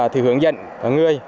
thì hướng dẫn người